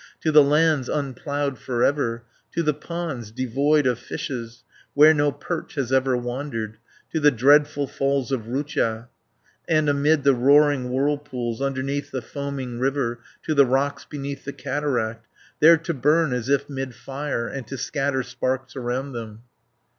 To the lands, unploughed for ever, 460 To the ponds, devoid of fishes, Where no perch has ever wandered, To the dreadful falls of Rutja, And amid the roaring whirlpools, Underneath the foaming river, To the rocks beneath the cataract, There to burn as if 'mid fire, And to scatter sparks around them.